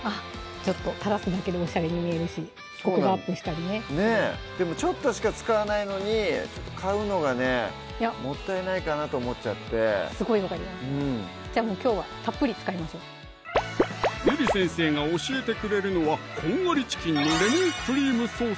ちょっと垂らすだけでもおしゃれに見えるしコクがアップしたりねちょっとしか使わないのに買うのがねもったいないかなと思っちゃってすごい分かりますじゃあもうきょうはたっぷり使いましょうゆり先生が教えてくれるのは「こんがりチキンのレモンクリームソース」